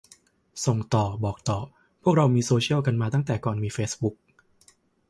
ส่งต่อ บอกต่อ พวกเราโซเชียลกันมาตั้งแต่ก่อนมีเฟซบุ๊ก